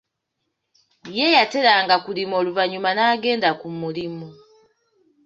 Ye yakeeranga kulima oluvanyuma n'agenda kumulimu.